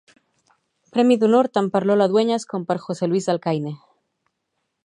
Premi d'Honor tant per Lola Dueñas com per José Luís Alcaine.